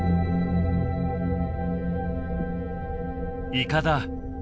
イカだ！